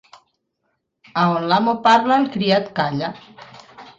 A on l'amo parla, el criat calla.